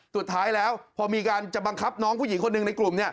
สุดท้ายแล้วพอมีการจะบังคับน้องผู้หญิงคนหนึ่งในกลุ่ม